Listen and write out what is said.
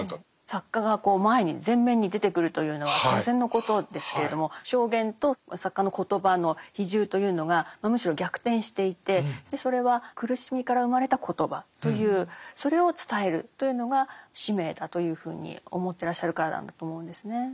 作家が前に前面に出てくるというのは当然のことですけれども証言と作家の言葉の比重というのがむしろ逆転していてそれは苦しみから生まれた言葉というそれを伝えるというのが使命だというふうに思ってらっしゃるからなんだと思うんですね。